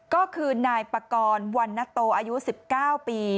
ก็คือนายปากรวันนัตโตอายุ๑๙ปี